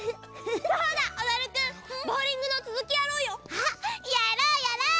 あっやろうやろう！